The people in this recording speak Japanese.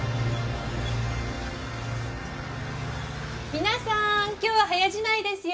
皆さん今日は早じまいですよ。